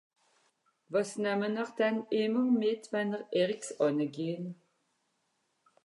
Wàs namme-n-r denn ìmmer mìt, wenn'r (...) ànne gehn ?